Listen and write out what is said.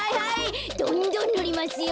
どんどんぬりますよ。